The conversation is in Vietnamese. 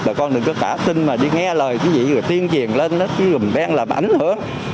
bà con đừng có tả tin mà đi nghe lời cái gì người tiên triền lên cái gùm đen làm ảnh hưởng